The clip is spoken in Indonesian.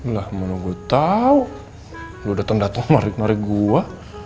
lah mana gue tau lo dateng dateng ngarek ngarek gue